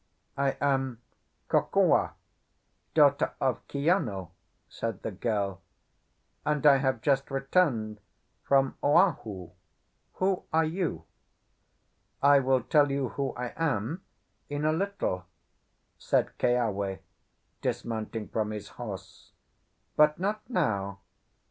"I am Kokua, daughter of Kiano," said the girl, "and I have just returned from Oahu. Who are you?" "I will tell you who I am in a little," said Keawe, dismounting from his horse, "but not now.